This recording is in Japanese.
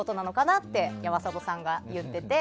って山里さんが言ってて。